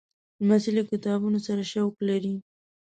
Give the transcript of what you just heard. لمسی له کتابونو سره شوق لري.